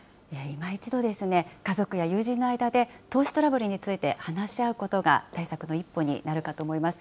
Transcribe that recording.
いま一度、家族や友人の間で投資トラブルについて話し合うことが対策の一歩になるかと思います。